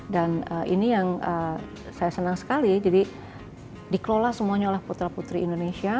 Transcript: dan ini yang saya senang sekali jadi dikelola semuanya oleh putra putri indonesia